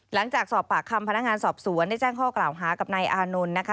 หลังจากสอบปากคำพนักงานสอบสวนได้แจ้งข้อกล่าวหากับนายอานนท์นะคะ